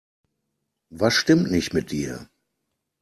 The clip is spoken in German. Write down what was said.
Was stimmt nicht mit dir?